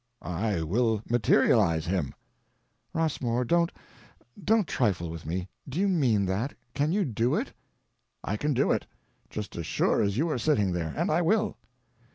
"I will materialize him." "Rossmore, don't—don't trifle with me. Do you mean that? Can you do it?" "I can do it, just as sure as you are sitting there. And I will."